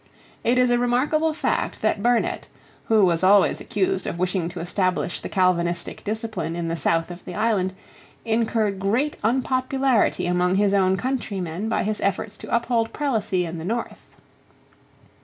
It is a remarkable fact that Burnet, who was always accused of wishing to establish the Calvinistic discipline in the south of the island, incurred great unpopularity among his own countrymen by his efforts to uphold prelacy in the north.